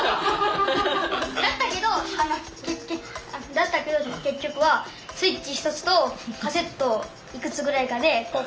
だったけど結局はＳｗｉｔｃｈ１つとカセットいくつぐらいかで交換条件。